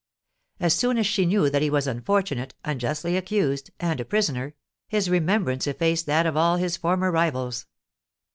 As soon as she knew that he was unfortunate, unjustly accused, and a prisoner, his remembrance effaced that of all his former rivals.